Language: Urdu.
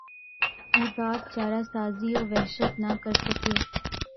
احباب چارہ سازیٴ وحشت نہ کرسکے